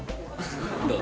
どう？